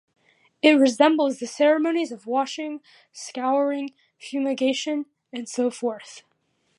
It resembles the ceremonies of washing, scouring, fumigation, and so forth.